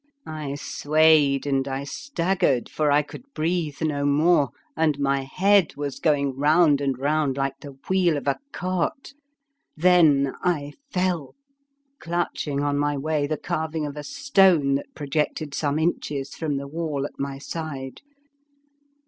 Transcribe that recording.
I swayed and I staggered, for I could breathe no more, and my head was going round and round like the wheel of a cart ; then I fell, clutching on my way the carving of a stone that projected some inches from the wall at my side.